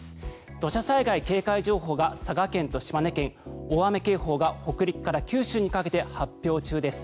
土砂災害警戒情報が佐賀県と島根県大雨警報が北陸から九州にかけて発表中です。